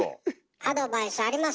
アドバイスありますか？